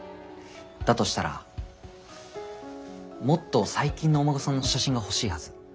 だとしたらもっと最近のお孫さんの写真が欲しいはず。